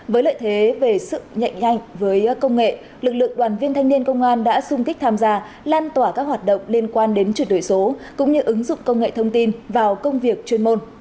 với lợi thế về sự nhạy nhanh với công nghệ lực lượng đoàn viên thanh niên công an đã sung kích tham gia lan tỏa các hoạt động liên quan đến chuyển đổi số cũng như ứng dụng công nghệ thông tin vào công việc chuyên môn